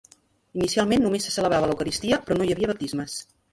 Inicialment només se celebrava l'Eucaristia, però no hi havia baptismes.